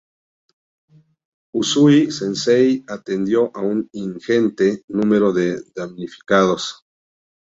Usui Sensei, atendió a un ingente número de damnificados.